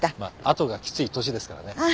後がきつい年ですからね。